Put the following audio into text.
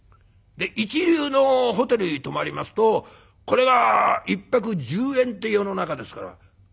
一流のホテルに泊まりますとこれが１泊１０円って世の中ですからこれは大変な額ですよね。